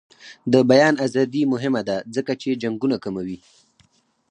د بیان ازادي مهمه ده ځکه چې جنګونه کموي.